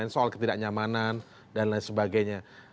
soal ketidaknyamanan dan lain sebagainya